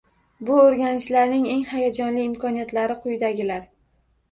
Bu o’rganishning eng hayajonli imkoniyatlari quyidagilar